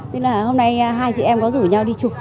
nên là hôm nay hai chị em có rủ nhau đi chụp